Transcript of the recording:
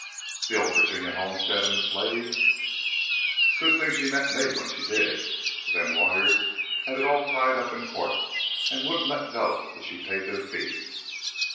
"The old Virginia homestead and the slaves ?" "Good thing she met me when she did, for them lawyers had it all tied up in court and wouldn't let go till she paid their fees."